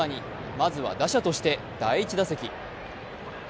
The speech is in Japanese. まずは打者として第１打席。